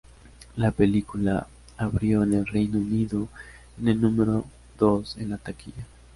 La película abrió en el Reino Unido en el número dos en la taquilla.